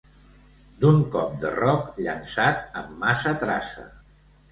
D'un cop de roc llançat amb massa traça.